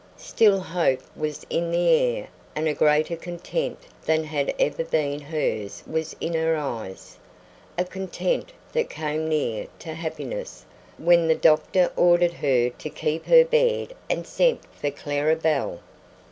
Still hope was in the air and a greater content than had ever been hers was in her eyes; a content that came near to happiness when the doctor ordered her to keep her bed and sent for Clara Belle.